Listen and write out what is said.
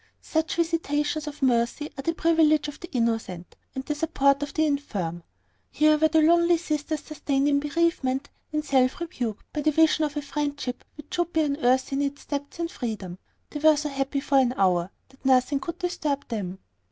Such visitations of mercy are the privilege of the innocent, and the support of the infirm. Here were the lonely sisters sustained in bereavement and self rebuke, by the vision of a friendship which should be unearthly in its depth and freedom; they were so happy for the hour, that nothing could disturb them.